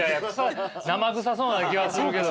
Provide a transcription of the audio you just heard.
生臭そうな気がするけど。